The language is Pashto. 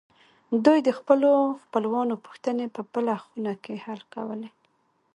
دوی د خپلو خپلوانو پوښتنې په بله خونه کې حل کولې